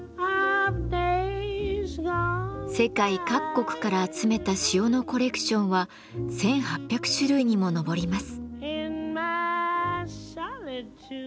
世界各国から集めた塩のコレクションは１，８００種類にも上ります。